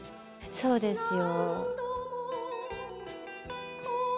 そうですよ。